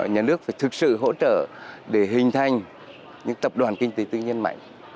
nhà nước phải thực sự hỗ trợ để hình thành những tập đoàn kinh tế tư nhân mạnh